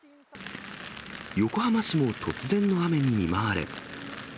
横浜市も突然の雨に見舞われ。